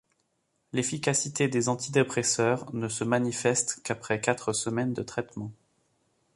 L'efficacité des antidépresseurs ne se manifeste qu'après quatre semaines de traitement.